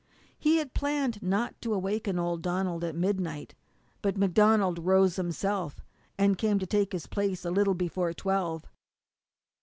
He had planned not to awaken old Donald at midnight, but MacDonald roused himself, and came to take his place a little before twelve.